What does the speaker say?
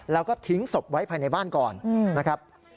แล้วก็ทิ้งศพไว้ภายในบ้านก่อนนะครับ